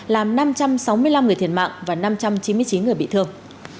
làm năm trăm sáu mươi năm người thiệt mạng và năm trăm chín mươi chín người bị thương